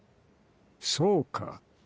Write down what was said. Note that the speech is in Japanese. そうか。